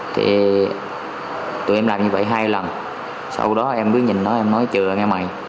thì tụi em làm như vậy hai lần sau đó em cứ nhìn nó em nói chừa nghe mày